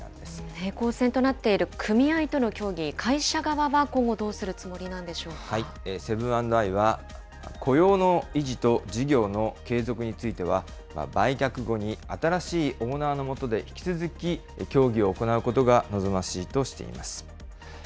平行線となっている組合との協議、会社側は今後どうするつもセブン＆アイは、雇用の維持と事業の継続については、売却後に新しいオーナーの下で引き続き協議を行うことが望ましいとしています。